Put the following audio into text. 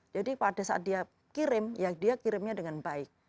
jadi pada saat dia kirim ya dia kirimnya dengan baik